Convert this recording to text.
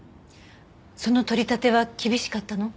その取り立ては厳しかったの？